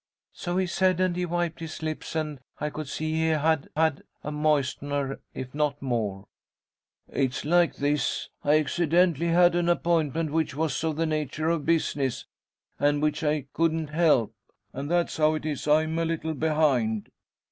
So he said, and he wiped his lips, and I could see he had had a moistener, if not more, 'It's like this I accidentally had an appointment, which was of the nature of business, and which I couldn't help; and that's how it is I'm a little behind!'